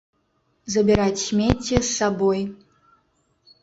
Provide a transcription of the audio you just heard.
Забіраць смецце з сабой.